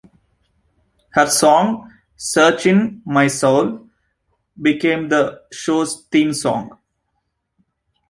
Her song "Searchin' My Soul" became the show's theme song.